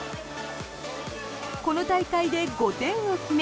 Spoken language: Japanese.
この大会で５点を決め